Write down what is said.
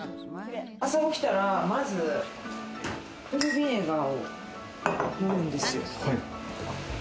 朝起きたらまず、アップルビネガーを飲むんですよ。